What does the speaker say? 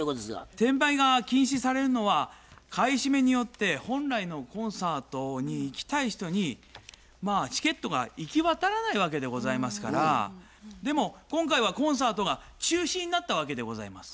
転売が禁止されるのは買い占めによって本来のコンサートに行きたい人にチケットが行き渡らないわけでございますからでも今回はコンサートが中止になったわけでございます。